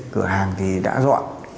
cửa hàng thì đã dọn